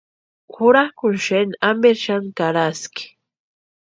Jurakʼuni xeni amperi xani karaski.